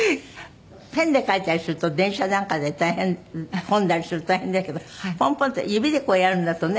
ペンで書いたりすると電車なんかで大変混んだりすると大変だけどポンポンッて指でこうやるんだとね